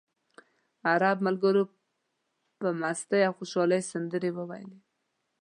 عرب ملګرو په مستۍ او خوشالۍ سندرې وویلې.